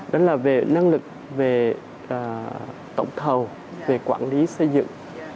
đó là về năng lực về tổng thầu về quản lý xây dựng